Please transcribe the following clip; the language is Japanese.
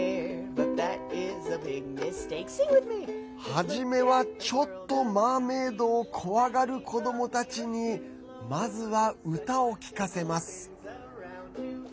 始めは、ちょっとマーメードを怖がる子どもたちにまずは歌を聞かせます。